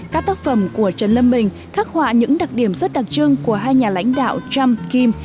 các tác phẩm của trần lâm bình khắc họa những đặc điểm rất đặc trưng của hai nhà lãnh đạo trump kim